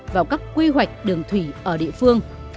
vào các quy hoạch đường thủy ở địa phương